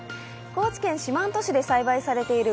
高知県四万十市で栽培されている